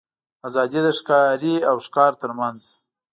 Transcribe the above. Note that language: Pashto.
آزادي د ښکاري او ښکار تر منځ.